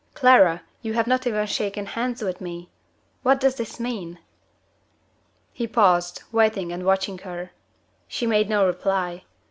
"Clara, you have not even shaken hands with me! What does it mean?" He paused; waiting and watching her. She made no reply.